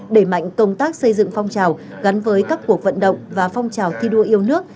đẩy mạnh công tác xây dựng phong trào gắn với các cuộc vận động và phong trào thi đua yêu nước